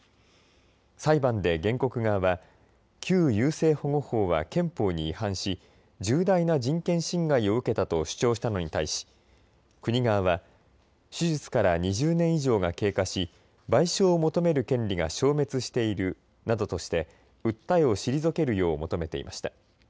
裁判で原告側は旧優生保護法は憲法に違反し重大な人権侵害を受けたと主張したのに対し国側は手術から２０年以上が経過し賠償を求める権利が消滅しているなどとして訴えを退けるよう求めていました。